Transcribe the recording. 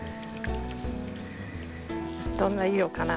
どんな色かな？